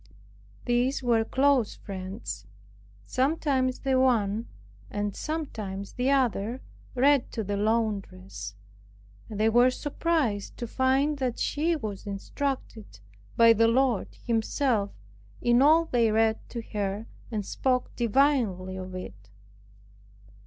These were close friends. Sometimes the one and sometimes the other read to this laundress; and they were surprised to find that she was instructed by the Lord Himself in all they read to her, and spoke divinely of it.